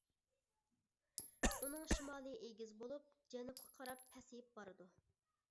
ئۇنىڭ شىمالىي ئېگىز بولۇپ، جەنۇبقا قاراپ پەسىيىپ بارىدۇ.